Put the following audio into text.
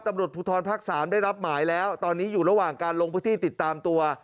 ตำรวจภูทรภาค๓ได้รับหมายแล้วตอนนี้อยู่ระหว่างการลงพื้นที่ติดตามตัว